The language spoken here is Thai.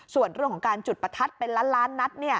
ส่วนเรื่องของการจุดประทัดเป็นล้านล้านนัด